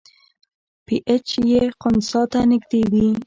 پی ایچ یې خنثی ته نږدې وي.